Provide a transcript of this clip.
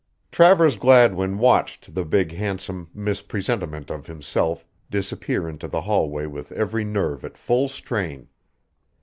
Travers Gladwin watched the big handsome mis presentiment of himself disappear into the hallway with every nerve at full strain.